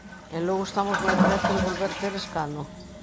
En Lugo estamos moi preto de volver ter escano.